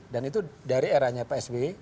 dan itu dari eranya psw